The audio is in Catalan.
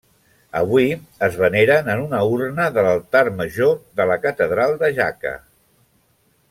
Avui es veneren en una urna de l'altar major de la Catedral de Jaca.